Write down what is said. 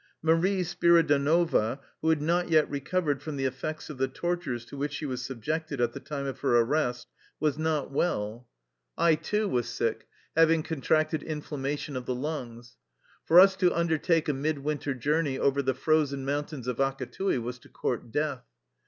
Marie Spiridonova, who had not yet recovered from the effects of the tortures to which she was subjected at the time of her arrest, was not well. 6 Penal colonies. 178 ТКЕ LIFE STOEY OF A EUSSIAN EXILE I, too, was sick, having contracted inflammation of the lungs. For us to undertake a midwinter journey over the frozen mountains of Akattii was to court death.